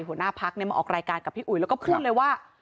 หัวหน้าพักมาออกรายการกับพี่อุ๋ยแล้วก็พูดเลยว่า